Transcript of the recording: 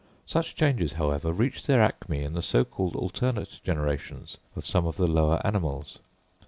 Such changes, however, reach their acme in the so called alternate generations of some of the lower animals.